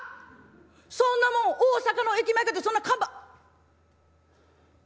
そんなもん大阪の駅前かてそんな看板」。